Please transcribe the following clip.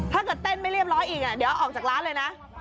ถ้าเกิดเต้นไม่เรียบร้อยอีกเดี๋ยวออกจากร้านเลยนะ